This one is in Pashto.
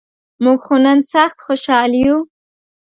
مونږ خو نن سخت خوشال یوو.